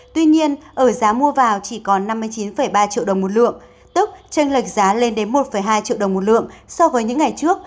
tuy nhiên ở giá mua vào chỉ còn năm mươi chín ba triệu đồng một lượng tức tranh lệch giá lên đến một hai triệu đồng một lượng so với những ngày trước